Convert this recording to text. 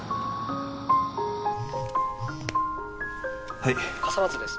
はい☎笠松です